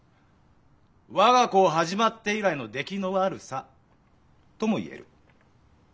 我が校始まって以来の出来の悪さとも言える。